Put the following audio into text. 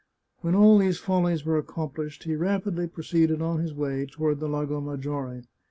When all these follies were accomplished, he rapidly proceeded on his way toward the Lago Maggiore.